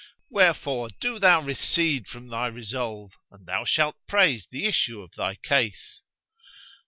Wherefore do thou recede from thy resolve and thou shalt praise the issue of thy case."